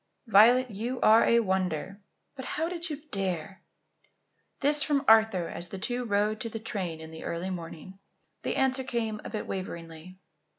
"Violet, you are a wonder. But how did you dare?" This from Arthur as the two rode to the train in the early morning. The answer came a bit waveringly.